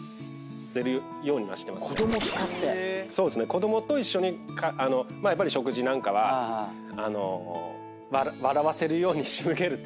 子供と一緒に食事なんかは笑わせるようにしむけるというか。